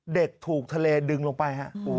เด็กถูกทะเลดึงลงไป